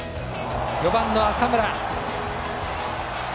４番の浅村。